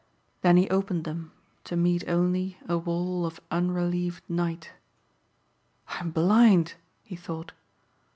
Then he opened them to meet only a wall of unrelieved night. "I'm blind!" he thought.